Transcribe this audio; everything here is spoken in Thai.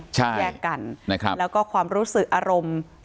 แยกกันนะครับแล้วก็ความรู้สึกอารมณ์